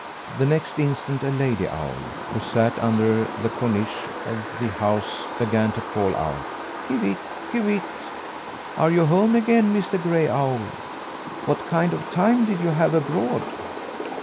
The next instant a lady owl, who sat under the cornice of the house, began to call out: "Kivitt, Kivitt! Are you at home again, Mr. Gray Owl? What kind of a time did you have abroad?"